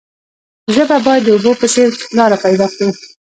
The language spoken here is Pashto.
ژبه باید د اوبو په څیر لاره پیدا کړي.